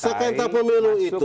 sengketa pemilu itu